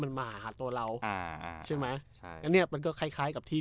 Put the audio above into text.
มันมาหาตัวเราอ่าใช่ไหมใช่อันเนี้ยมันก็คล้ายคล้ายกับที่